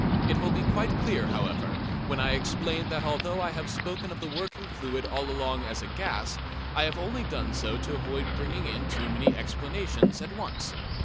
It will be quite clear, however, when I explain that although I have spoken of the working fluid all along as gas, I have only done so to avoid bringing in too many explanations at once.